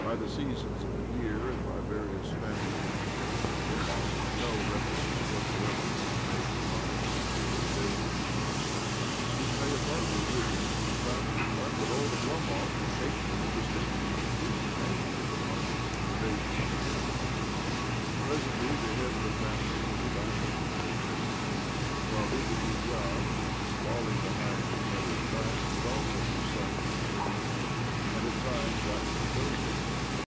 the seasons of the year, and by various family and domestic events— no reference whatsoever being made to months or to the days of a month. This may have ралігіу arisen from the fact that none but old Qblomov were capable of dis tinguishing betweesn the names of the months and the dates in aViven month. іЗб OBLOMOV Presently the head of the family would relapse into meditation, while little Ilya, lolling behind his mother's back, would also be sunk in dreams, aAd at times actually dozing.